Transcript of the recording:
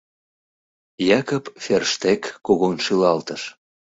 — Якоб Ферштег кугун шӱлалтыш.